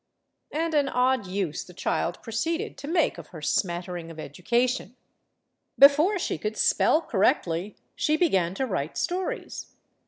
And an odd use the child proceeded to make of her smattering of education. Before she could spell cor rectly, she began to write stories.